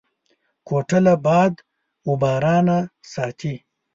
کوټه له باد و بارانه ساتي.